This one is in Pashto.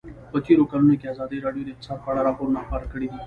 په تېرو کلونو کې ازادي راډیو د اقتصاد په اړه راپورونه خپاره کړي دي.